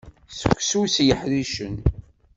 Seksu s yeḥricen.